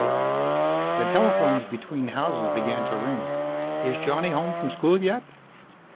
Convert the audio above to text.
The telephones between houses began to ring. "Is Johnny home from school yet?"